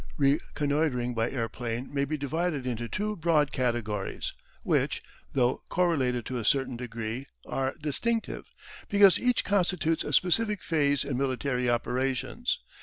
Reconnoitring by aeroplane may be divided into two broad categories, which, though correlated to a certain degree, are distinctive, because each constitutes a specific phase in military operations.